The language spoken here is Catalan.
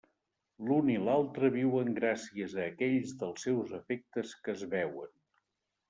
L'un i l'altre viuen gràcies a aquells dels seus efectes que es veuen.